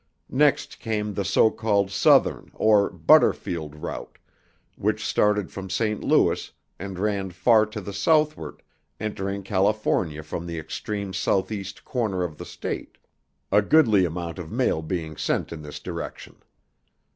Next came the so called southern or "Butterfield" route which started from St. Louis and ran far to the southward, entering California from the extreme southeast corner of the state; a goodly amount of mail being sent in this direction.